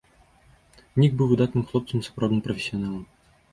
Нік быў выдатным хлопцам і сапраўдным прафесіяналам.